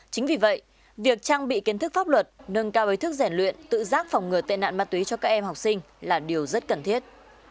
chính vì vậy việc trang bị kiến thức pháp luật nâng cao ý thức rèn luyện tự giác phòng ngừa tệ nạn ma túy cho các em học sinh là điều rất cần thiết